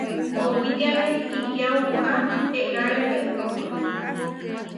Owítiame kiyauká eʼeráre Pedróma.